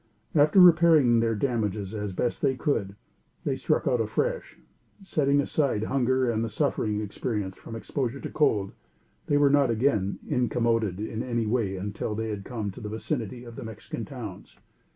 After repairing their damages as best they could, they struck out afresh. Setting aside hunger and the suffering experienced from exposure to cold, they were not again incommoded in any way until they had come to the vicinity of the Mexican towns.